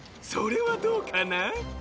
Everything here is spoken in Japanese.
それはどうかな？